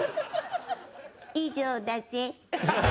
以上だぜ。